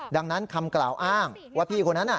ดังนั้นคำกล่าวอ้างว่าพี่คนนั้น